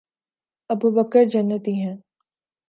ابوبکر جنتی ہیں